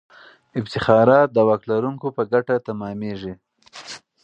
افتخارات د واک لرونکو په ګټه تمامیږي.